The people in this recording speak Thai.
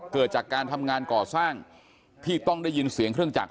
เกิดจากการทำงานก่อสร้างที่ต้องได้ยินเสียงเครื่องจักร